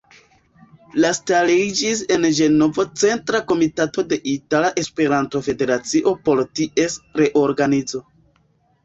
La stariĝis en Ĝenovo Centra Komitato de Itala Esperanto-Federacio por ties reorganizo.